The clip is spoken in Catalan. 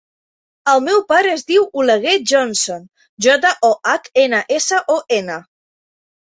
El meu pare es diu Oleguer Johnson: jota, o, hac, ena, essa, o, ena.